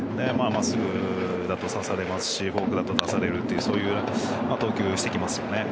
まっすぐだと差されますしフォークでも差されるという投球をしてきますね。